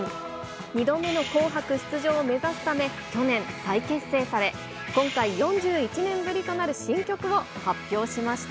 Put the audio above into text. ２度目の紅白出場を目指すため、去年、再結成され、今回、４１年ぶりとなる新曲を発表しました。